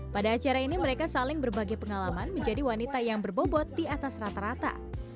pada acara ini mereka saling berbagi pengalaman menjadi wanita yang berbobot di atas rata rata